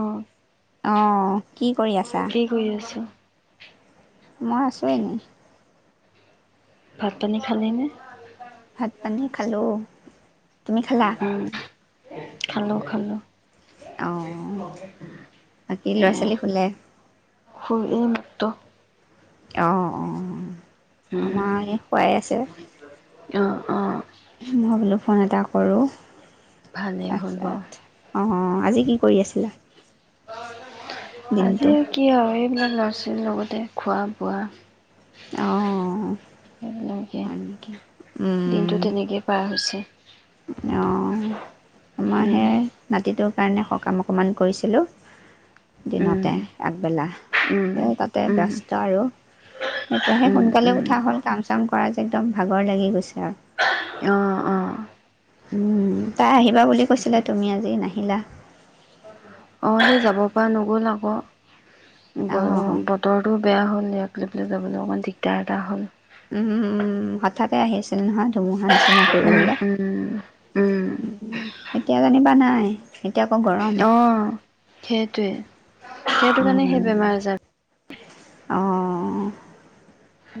অ' অ কি কৰি আছা? কি কৰি আছো মই আছো এনেই ভাত পানী খালি নে ভাত পানী খালোঁ তুমি খালা খালো, খালো। অ, বাকী ল'ৰা সেয়া ছোৱালী শুলে? ত অ, অ অ। উম, আমাৰ, এ শুৱাই আছে। অ' অ'। মই বোলো ফোন এটা কৰোঁ। ভালেই হ'ল আটছা, বাৰু। আটছা। অ, আজি কি? কৰি আছিলা? আজি দিনটো? কি আৰু, এ বিলাক ল'ৰা-ছোৱালীৰ লগতে খোৱা-বোৱা। অ', উম সেইয়া, হয় নেকি? উম, দিনটো তেনেকেই পাৰ হৈছে। অ। আমাৰ উম, সেইয়াই, নাতিটোক কাৰণে সকাম অকমান কৰিছিলোঁ। উম, দিনতে, উম। আগবেলা। উম, এ তাতে ব্যস্ত উম, আৰু তেতিয়াহে সোনকালে উম, উঠা হ'ল, কাম চাম কৰা যে, একদম ভাগৰ লাগি গৈছে। এয়া অ' অ'। উম। তাই আহিব [unintelligible] বুলি কৈছিলে, তুমি আজি নাহি হিলা অ', হেই যাব পৰা নগ'ল আকৌ। অ', ব-বতৰটো বেয়া হ'ল ইয়াত। [unintelligible] যাবলৈ অকণমন দিগদাৰ এটা হ'ল। উম, উম। হঠাতে আহিছিল নহয়। ধুমুহা নিচিনা কৰি উম, দিলে। উম, উম, উম, এতিয়া যেনিবা নাই। এতিয়া আকৌ গৰম। অ', [unintelligible] সেইটো কাৰণে সেই উম, বেমাৰ আজাৰ অ'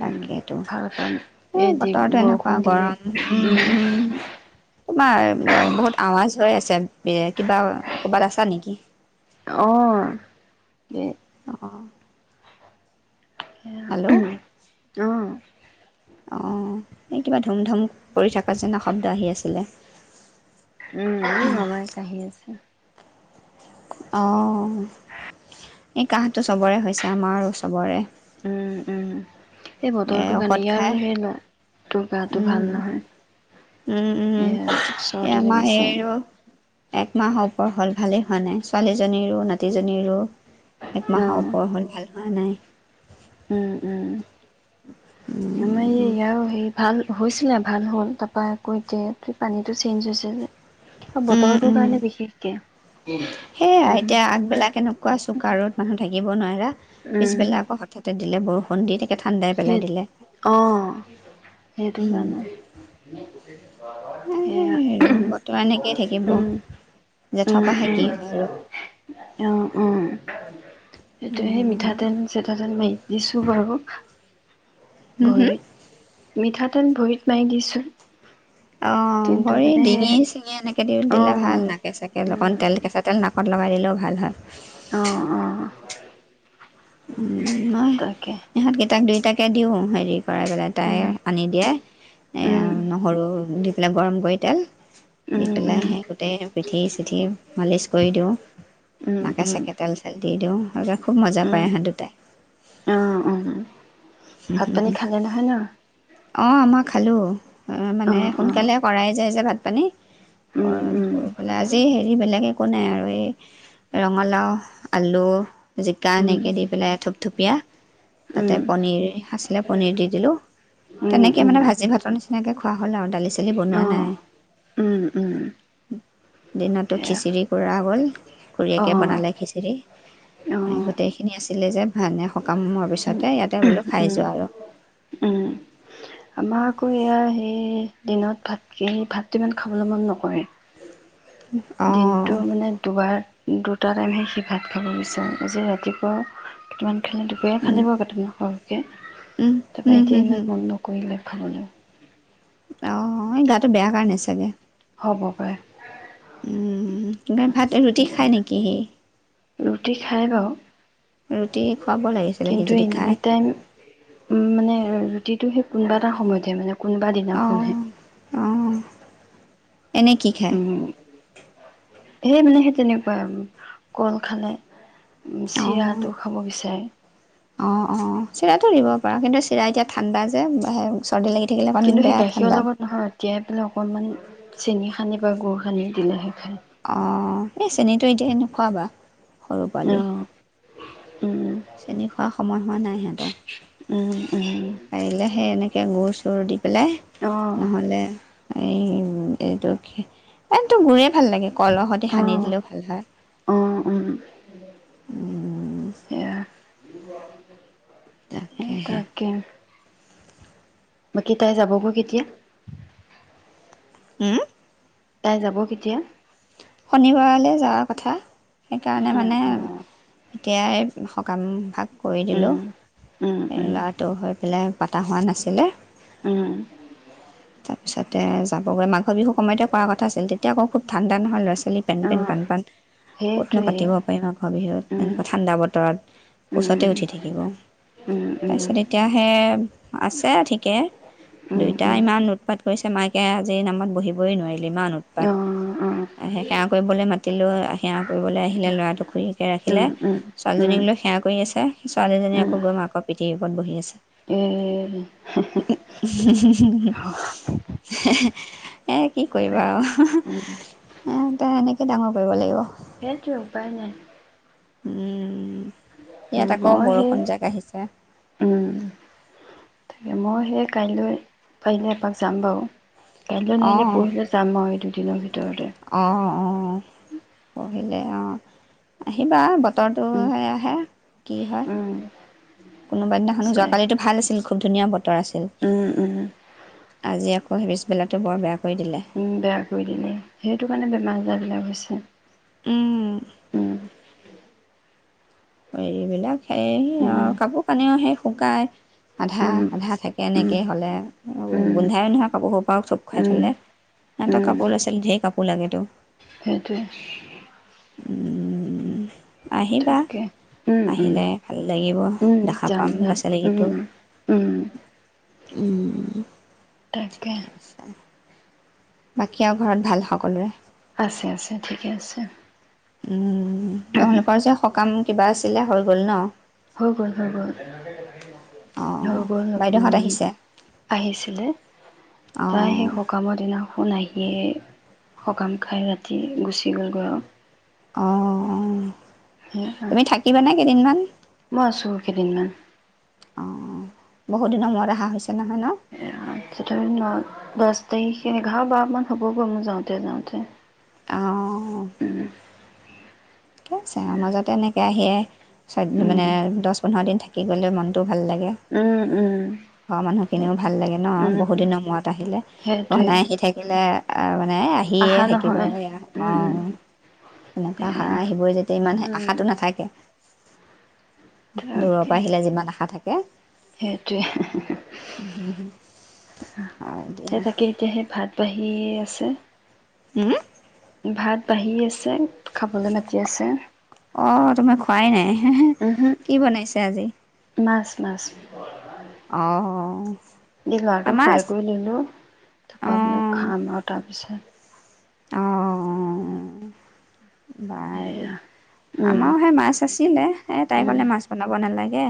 উম, ভাল কাৰণ এ এই দি বতৰটো এনেকুৱা বৰষুণ দিলে গৰম, উম, উম-উম। তোমাৰ বহুত আৱাজ হৈ আছে। বে কিবা, কৰবাত আছাঁ নেকি? অ' অ'। হেল্ল' অ', উম, অ'। এই কিবা ধুম-ধুম পৰি থকা চিনা শব্দ আহি আছিলে। উম মামাই কাহি আছে অ এই কাহঁটো চবৰে হৈছে আমাৰো চবৰে উম, উম, এই এ বতৰটো কাৰণে ঔষধ ইয়াৰ খাই আৰু সেই ল তোৰ গাটো ভাল উম নহয় উম এ উম এ চৰ্দি আমা লাগিছে এইৰো একমাহৰ ওপৰ হ'ল ভালেই হোৱা নাই ছোৱালীজনীৰো নাতিজনীৰো এক মাহৰ অ', ওপৰ হল হোৱা নাই উম উম উম এ‌ ইয়াৰো সেই ভাল হৈছিলে ভাল হ'ল তাৰপা আকৌ ইয়াত পানীটো চেঞ্জ হৈছে যে অ বতৰটো কাৰণে বিশেষকে সেয়াই উম এতিয়া আগবেলা কেনেকোৱা চুকা ৰদ মানুহ থাকিব নোৱাৰা উম পিছবেলা আকৌ হঠাতে দিলে বৰষুণ পণ্ডিতে সেই অ সেইটো কাৰণে এয়াই সেয়া আৰু বৰ্তমান একেই থাকিব উম জেঠ উম পাহে উম কি হয় আৰু [unintelligible] সেইটোয়ে সেই উম, মিঠাতেল চিতাতেল মাৰি দিছো বাৰু হম, হম, ভৰিত মিঠাতেল ভৰিত মাৰি দিছোঁ অ ভৰি ডিঙি চিঙি এনেকে দি অ দিলে ভাল নাকে চাকে অকণ উম তেল কেঁচা তেল না পট লগাই দিলেও ভাল হয় অ অ উম নাই তাকে ইহত কেইটাক দুই তাকে দিওঁ। হেৰি কৰাই পেলাই তাই, উম আনি দিয়ে এয়া উম নহৰু দি পেলাই গৰম কৰি তেল, দি, উম পেলাই উম সেই গোটেই পিঠি -চিঠি মালিচ কৰি দিওঁ উম উম নাকেচাকে তেল- চল দি দিওঁ। আজিয়ে খুব মজা। উম পায় ইহত দুটাই, অ উম ভাত পানী খালে নহয় ন', - অ', মই খালো। অ ', মানে অ সোনকালে কৰাই যায় যে - ভাত। পানী, উম অ', উম কৰি পেলাই আজি হেৰি বেলেগে, একো নাই আৰু এই ৰঙালাও - আলু, -জিকা উম, এনেকৈ দি পেলাই থোপথুপীয়া তাতে উম, পনীৰ, আছিলে পনীৰ দি দিলোঁ, উম, তেনেকে উম, মানে ভাজি ভাতৰ নিচিনাকৈ খোৱা হ'ল আৰু দালি- চালি বনোৱা অ', নাই। উম, উম, দিনতো এয়া খিচিৰি কৰা হ'ল, অ', অ', খুৰীয়েকে বনালে খিচিৰি। উম, উম, গোটেইখিনি আছিলে যে, মানে সকামৰ পিছত, তে ইয়াতে বোলো, উম', যোৱা আৰু - উম', - আমাৰ আকৌ এয়া, সেই দিনত ভাতকে- -ভাতটো ইমান খাবলৈ মন নকৰে। অঁ দিনটো মানে দুবাৰ- দু, - দুটা টাইমহে সি, ভাত খাব বিচাৰে। আজি ৰাতিপুৱা কিমান, উম [unintelligible] কে, উম তাৰপা উম হুম এতিয়া ইমান হুম মন নকৰিলে। [unintelligible] অ, 'এই গাটো বেয়া কাৰণে চাগে। হ'ব পাৰে উম', কিবা ভাতে ৰুটি খায় নেকি সি, ৰুটি খাই বাৰু ৰুটি খুৱাব লাগিছিলে সি ', কিন্তু যদি খায়। এনি প্ৰতিটো সেই কোনবা এটা সময়তে মানে, - কোনবা অঁ দিনাখনহে, এনে কি খায়? উম সেই মানে সেই তেনেকুৱা কল খালে। চিৰাটো খাব বিচাৰে। অ', - অ', চিৰাটো দিব পাৰা। কিন্তু চিৰা এতিয়া ঠাণ্ডা যে', বাহে কিন্তু সেই গাখীৰৰ লগত নহয়, তিয়াই পেলাই অকনমানি, - চেনি সানি বা গুৰ সানি দিলেহে, খায় অঁ। এই চেনীতো এতিয়াই নোখোৱাবা। সৰু পোৱালি। অঁ উম চেনি খোৱাৰ সময় হোৱা নাই সিহঁতৰ। উ পৰিলে সেনেক এ গুৰ চুৰ দি পেলাই অঁ নহ'লে। এই এইটো এইটো গুৰে ভাল লাগে। কলৰ খৈতে সানি অঁ দিলেও ভাল হয়। অঁ উহ স [unintelligible] তাকেহে। বাকী তাই যাবগৈ কেতিয়া। উম। তাই যাব কেতিয়া? শনিবাৰলৈ যোৱাৰ কথা, সেইকাৰণে অঁ মানে। অঁ তেতিয়াই সকাম ভাগ। কৰি দিলোঁ উম উম এই উম ল'ৰাটো হৈ পেলাই, পাতা হোৱা নাছিলো উম তাৰপিছতে যাবগৈ মাঘৰ বিহু সময়তে কৰা কথা আছিল তেতিয়া আকৌ খুব। ঠাণ্ড নহ'য়। লৰা ছোৱালী পেন পেন অঁ পান পান, ক'তনো সেইটোৱে পাতিব পাৰিম মাঘৰ বিহু, উম, এনেকুৱা ঠাণ্ডা বতৰ কোচতে উম, উঠি থাকিব উম, তাৰপিছত উম, এতিয়াহে। আছে ঠিকে। উম, দুইটাই উম, ইমান উটপাত কৰিছে। মাকে আজি নামত বহিবই নোৱাৰিলে। ইমান উৎপাত অ--অ। সেৱা কৰিবলৈ মাতিলৈ সেৱা কৰিবলৈ আহিলে ল'ৰাটো খুৰীয়কে ৰাখিলে উম, উম, উম, ছোৱালীজনীক লৈ সেৱা। কৰি আছে ছোৱালীজনী উম, আকৌ গৈ মাকৰ পিঠিৰ ওপৰত বহি আছে এই এ কি কৰিবা তাকে উম, আৰু ও তাই এনেকেই ডাঙৰ কৰিব লাগিব। সেইটোবে উপায় নাই। উম',। উম, ইয়াত আকৌ মই সেই বৰষুণ জাক আহিছে। মইহে কাইলৈ পাৰিলে এপাক যাম বাৰু কাইলৈ নোৱাৰিলে পৰহিলে যাম যাম আৰু। দিনৰ ভিতৰত অহ--অহ পঢ়িলে, অ আহিবা। উম, বতৰটোে আহে কি হয়। উম, কোনোবা দিনাখনো, চাই যোৱাকলিটো ভাল আছিল। খুব ধুনীয়া বতৰ আছিল। উম--উম। আজি আকৌ হেফচবেলাটো বৰ বেয়া কৰি দিলে [unintelligible] উম বেয়া কৰি দিলে, সেইটো কাৰণে বেমাৰ আজাৰ বিলাক হৈছে। উম। উম, এইবিলাক [unintelligible] সেই উম, আৰু কাপোৰ কানিও খেশ। শুকাই আধা উম, আধা থাকে এনে- উম, কে হ'লে, ও উম, গোন্ধাইও নহয় কাপৰ [unintelligible] পৰা থুপ খুৱাই উম থ'লে। ইহঁতৰ উম, কাপোৰ ল'ৰা ছোৱালীৰ ধেৰ কাপোৰ লাগেতো। সেইটোৱে। উম আহিবা, তাকে উম, উম, আহিলে ভাল লাগিব, উম, দেখা যাম পাম যাম ল'ৰা-ছোৱালীকেইটো। উম, উম, উম তাকে। বাকী আৰু ঘৰত ভাল সকলোৰে? আছে আছে, ঠিকে আছে। উম, নহ'লে [unintelligible] সকাম কিবা আছিলে হৈ গ'ল ন? হৈ গল, হৈ গল। অ', হৈ গল, বাইদেউহঁত ম, আহিছে? আহিছিলে। তাই সেই অ', সকামৰ দিনা শুনাই। সি সকাম খাই ৰাতি গুচি গ'লগৈ আৰু। অহ অহ। [unintelligible] মই আছোঁ কৈদিনমান। অ'। বহুত দিনৰ মূৰত অহা হৈছ- [unintelligible] তে এইখিনি এঘাৰ-বাৰটামান হ'বগ মোৰ যাওঁতে যাওঁতে। অহ উম, ঠিকে আছে, মাজতে এনে- এয়া সিয়ে চদ মানে উম, দহ পোন্ধৰ দিন থা- কি ব'লে মানুহটো- ভাল লাগে। উম, উম, ঘৰৰ মানুহখিনিও সেইটোৱে ভাল লাগে ন, বহুত উম, দিনৰ মূৰত আহিলে, সেইটোৱে বনাই আহি থাকিলে- আৰু মানে আহিয়ে আহা থাকিব, নহয় এয়া অ, উম এনকা- অ সেয়া আহিব যেতিয়া, ইমান সৈ উম আশাতো নাথাকে। দূৰৰ তাকে পৰা আহিলে যিমান আশা থাকে- কে সেইটোৱে হি হি হি। অ হয় দিয়া সেই তাকে এতিয়া সেই ভাত বাঢ়ি- ছে ওওম ভাত বাঢ়ি আছে। খাবলৈ মাতি আছে অহ তুমি খোৱাই নাই, হ উমহো কি বনাইছে আজি। মাছ মাছ অহ এই লৰা টোক শুৱাই বোৱাই ললো, খাম আৰু তাৰ পিছত। অ অ অ বাৰু এয়া উম আমাৰো সেই মাছ আছিলে এ তাই উম কলে মাছ বনাব নালাগে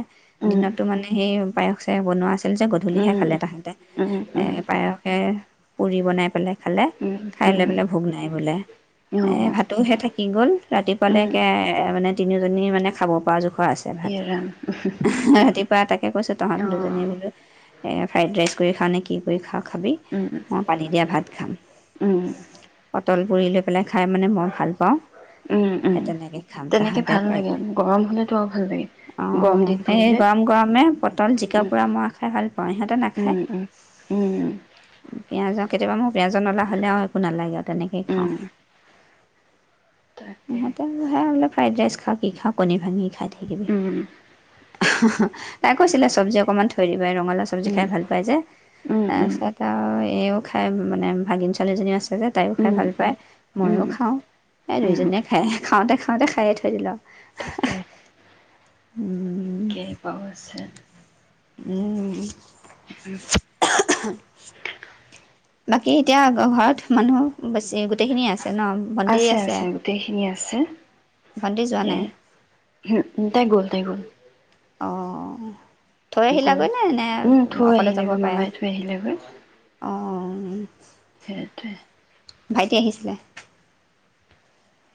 উম দিনতো মানে সেই পায়স এ বনোৱা আছে। আ যে উম গধূলিহে খালে তাহেতে উম পায়সে পুৰি বনাই পেলাই খালে উম খাই উম লৈ উম পেলাই ভোগ নাই বোলে অ এ ভাতোহে থাকিলে গ'ল ৰাতিপুৱালে উম কে তাৰ মানে তিনিজনী মানে খাব পৰা যোখ খোৱা আছে ভাত ইয়ে ৰাম ৰাতিপুৱা তাকে কৈছো তহঁত অ দুজনীয়ে বোলে ফ্ৰাইড ৰাইচ কৰি খাওঁ নে কি কৰি খাওঁ। খাবি উম মই পানী দিয়া ভাত খাম। উম তল পুৰি লৈ পেলাই খাই মানে মই ভাল পাওঁ। উম, উম। সেই তেনেকে খাম তেনেকে তাহাঁতে ভাল লাগে গৰম হ'লেতো আৰু ভাল লাগে। গৰম আহ দিন সেই পৰিলে গৰম গৰমে পটল জিকা উম, পোৰা মৰা খাই ভাল পাওঁ সিহঁতে নাখায় উম, উম, উম, [unintelligible] পিয়াজৰ কেতিয়াবা মোৰ পিয়াজৰ নলা হলে আৰু একো নালাগে আৰু তেনেকেই খাওঁ। উম। তাকে সিহঁতে সে অলপ ফ্ৰাইড ৰাইচ খাওঁ কি খাওঁনে কণী ভাঙিয়ে খাই উম, [unintelligible] তাই কৈছিলে চব্জি অকণমান থৈ দিবা ৰঙালাও চব্জি উম, খাই ভাল পায় যে উম, উম, তাৰপিছত আৰু এও খাই মানে ভাগিন ছোৱালীজনী আছে যে তাইও খাই উম, ভাল পাই উম। মইও উম, খাওঁ সে উম, দুইজনে খায় খাওঁতে খাওঁতে খাইয়ে থৈ দিলো [unintelligible] উম কে পাব আছে উম হম [inaudible] হা বাকী এতিয়া ঘৰত মানুহ বেছি গোটেইখিনিয়ে আছে আছে ন ভণ্টি আছে আছে ভণ্টি যোৱা এ নাই হম তাই গ'ল তাই গ'ল অঁ থৈ গৈ আহিলাগৈ নে নে উম থৈ অকলে আহিলে যাব গৈ পাৰে মামাই থৈ আহিলে গৈ অঁ সেইটোৱে ভাইটি আহিছিলে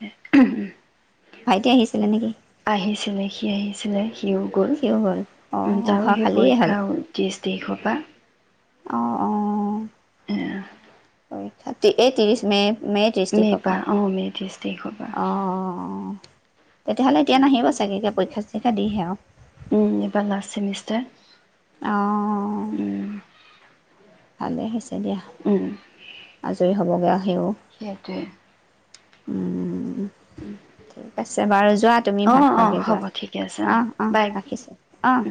উ উম ভাইটি আহিছিলে নেকি আহিছিলে সি আহিছিলে সিও গল সিও উ অঁ তাৰ ঘৰ সেই খালীয়ে পৰীক্ষা উষ্ট দেসবা অ অ আহ ত্ৰিছ মে মে পৰা অ মে ত্ৰিছ দেখবা অঁ অঁ তেতিয়াহ'লে এতিয়া নাহিব চাগে কে পৰীক্ষা চৰীক্ষা দিহে আৰু উম এইবাৰ লাষ্ট চেমিষ্টাৰ উম ভালে তেতিয়া আজৰি হ'বগৈ সিও সেইটোৱে উম ঠিক আছে বাৰু যোৱা তুমি অঁ ভাত অঁ খোৱাকৈ হ'ব ঠিকে আছে যোৱা অঁ অঁ বাই ৰাখিছা অঁ